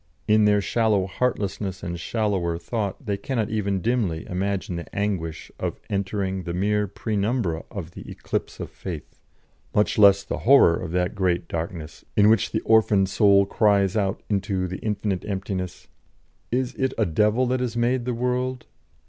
In their shallow heartlessness and shallower thought they cannot even dimly imagine the anguish of entering the mere penumbra of the Eclipse of Faith, much less the horror of that great darkness in which the orphaned soul cries out into the infinite emptiness: "Is it a Devil that has made the world?